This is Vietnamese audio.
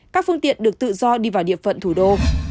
các phương tiện được tự do đi vào địa phận thủ đô